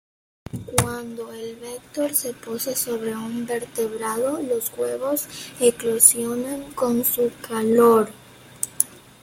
Cuando el vector se posa sobre un vertebrado, los huevos eclosionan con su calor.